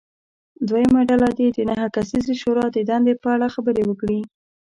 دویمه ډله دې د نهه کسیزې شورا د دندې په اړه خبرې وکړي.